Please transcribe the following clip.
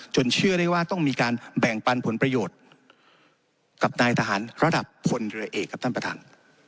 เชื่อได้ว่าต้องมีการแบ่งปันผลประโยชน์กับนายทหารระดับพลเรือเอกครับท่านประธาน